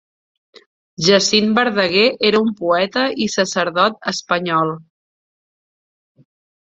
Jacint Verdaguer era un poeta i sacerdot espanyol.